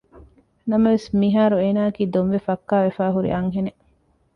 ނަމަވެސް މިހާރު އޭނާއަކީ ދޮންވެ ފައްކާވެފައި ހުރި އަންހެނެއް